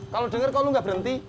kalo denger kok lu ga berhenti